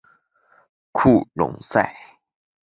库隆塞。